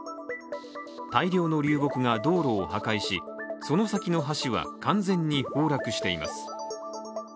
大量の流木が道路を破壊しその先の橋は完全に崩落しています。